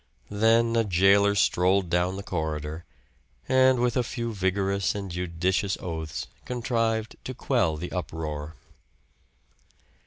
Then a jailer strolled down the corridor, and with a few vigorous and judicious oaths contrived to quell the uproar.